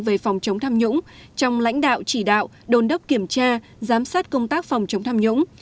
về phòng chống tham nhũng trong lãnh đạo chỉ đạo đồn đốc kiểm tra giám sát công tác phòng chống tham nhũng